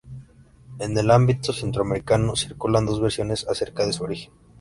En el ámbito centroamericano circulan dos versiones acerca de su origen.